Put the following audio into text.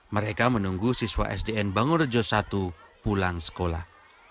mereka menunggu siswa sdn bangun rejo satu pulang sekolah